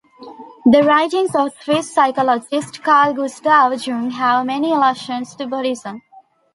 The writings of Swiss psychologist Carl Gustav Jung have many allusions to Buddhism.